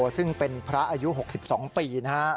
ซึ่งเป็นพระอายุ๖๒ปีนะฮะ